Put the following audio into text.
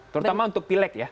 terutama untuk pilek ya